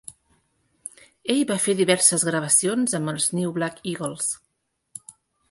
Ell va fer diverses gravacions amb els New Black Eagles.